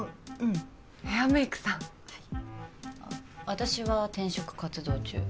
私は転職活動中。